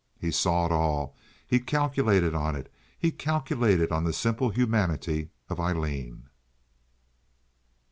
He saw it all, he calculated on it—he calculated on the simple humanity of Aileen.